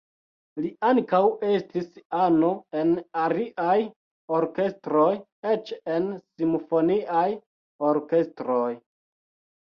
Li ankaŭ estis ano en aliaj orkestroj, eĉ en simfoniaj orkestroj.